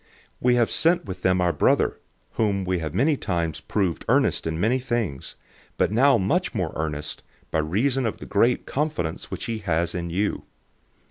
008:022 We have sent with them our brother, whom we have many times proved earnest in many things, but now much more earnest, by reason of the great confidence which he has in you.